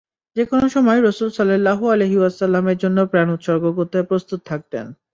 যে কোন সময় রাসূল সাল্লাল্লাহু আলাইহি ওয়াসাল্লাম-এর জন্য প্রাণ উৎসর্গ করতে প্রস্তুত থাকতেন।